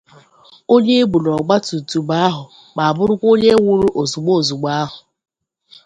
onye e bu n'ọgbatumtum ahụ ma bụrụkwa onye nwụrụ ozigbo ozigbo ahụ